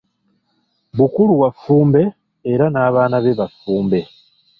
Bukulu wa Ffumbe era n'abaana be ba ffumbe.